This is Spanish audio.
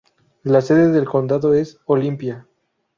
La sede del condado es Olympia.